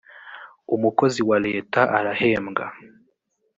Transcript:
umukozi wa leta arahembwa